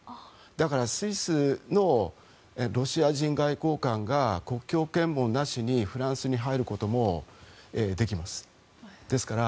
スイスのロシア人外交官が国境検問なしにフランスに入ることもできます。